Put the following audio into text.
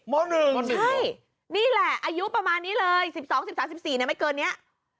ม๑ใช่นี่แหละอายุประมาณนี้เลย๑๒๑๓๑๔ไม่เกินนี้